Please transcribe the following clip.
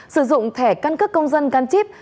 sử dụng thẻ căn cước công dân gắn chip